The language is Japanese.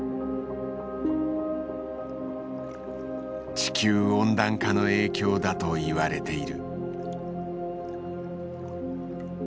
地球温暖化の影響だと言われている。